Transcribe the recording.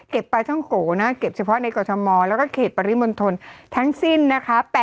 ปลาท่องโกนะเก็บเฉพาะในกรทมแล้วก็เขตปริมณฑลทั้งสิ้นนะคะ